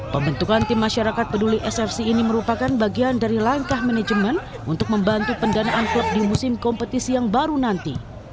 pembentukan tim masyarakat peduli sfc ini merupakan bagian dari langkah manajemen untuk membantu pendanaan klub di musim kompetisi yang baru nanti